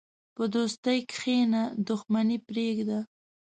په دوستۍ کښېنه، دښمني پرېږده.